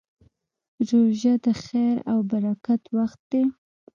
روژه د خیر او برکت وخت دی.